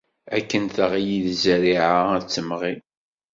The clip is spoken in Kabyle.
Akken teɣli zzerriɛa, ad d-temɣi.